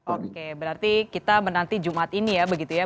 oke berarti kita menanti jumat ini ya begitu ya